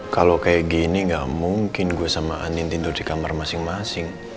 kalau kayak gini gak mungkin gue sama anin tidur di kamar masing masing